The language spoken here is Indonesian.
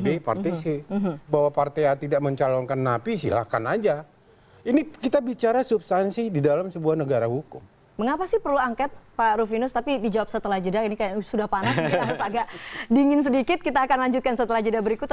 berarti tidak akan ada calon nanti